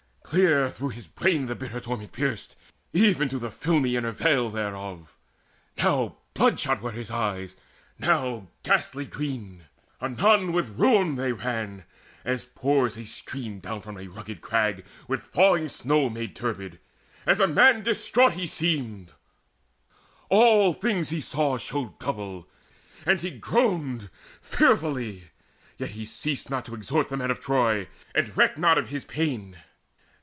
Clear through his brain the bitter torment pierced Even to the filmy inner veil thereof; Now bloodshot were his eyes, now ghastly green; Anon with rheum they ran, as pours a stream Down from a rugged crag, with thawing snow Made turbid. As a man distraught he seemed: All things he saw showed double, and he groaned Fearfully; yet he ceased not to exhort The men of Troy, and recked not of his pain.